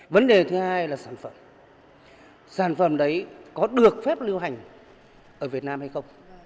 vấn đề thứ hai là sản phẩm sản phẩm đấy có được phép lưu hành ở việt nam hay không